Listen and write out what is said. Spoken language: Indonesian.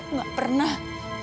aku gak pernah